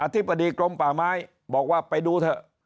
ธิบดีกรมป่าไม้บอกว่าไปดูเถอะ